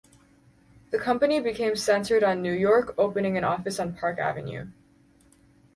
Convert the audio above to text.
The company became centred on New York opening an office on Park Avenue.